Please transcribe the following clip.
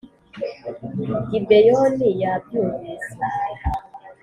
Gibeyoni yabyumvise.